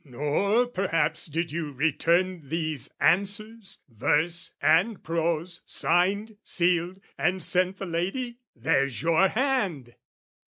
"Nor perhaps "Did you return these answers, verse, and prose, "Signed, sealed and sent the lady? There's your hand!"